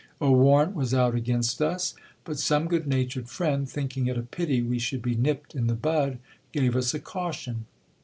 A warrant was out against us ; but some good natured friend, thinking it a pity we should be nipped in the bud, gave us a caution.